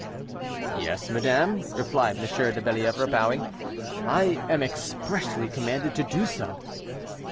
"Yes, madam," replied M. de Bellievre, bowing; "I am expressly commanded to do so."